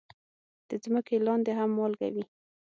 د ځمکې لاندې هم مالګه وي.